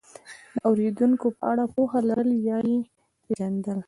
د اورېدونکو په اړه پوهه لرل یا یې پېژندل،